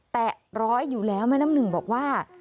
แตะร้อยอยู่แล้วแม่น้ำหนึ่งบอกว่า